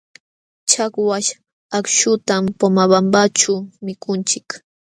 Chakwaśh akśhutam Pomabambaćhu mikunchik.